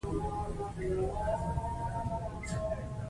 تاسو د هر څه وړتیا لرئ.